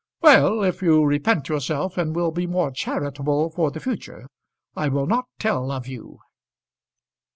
"Well; if you repent yourself, and will be more charitable for the future, I will not tell of you."